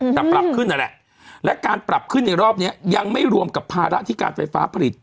แต่ปรับขึ้นนั่นแหละและการปรับขึ้นในรอบนี้ยังไม่รวมกับภาระที่การไฟฟ้าผลิต